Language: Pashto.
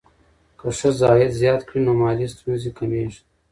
که ښځه عاید زیات کړي، نو مالي ستونزې کمېږي.